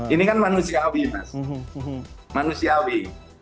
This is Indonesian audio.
ini kan manusiawi mas manusiawi